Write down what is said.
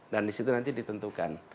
dan di situ nanti ditentukan